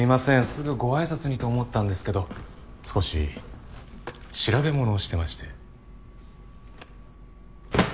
すぐご挨拶にと思ったんですけど少し調べものをしてまして。